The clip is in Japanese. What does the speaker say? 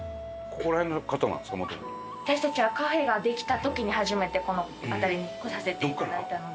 私たちはカフェができた時に初めてこの辺りに来させて頂いたので。